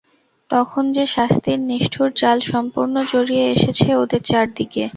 তখন যে শাস্তির নিষ্ঠুর জাল সম্পূর্ণ জড়িয়ে এসেছে ওদের চারদিকে।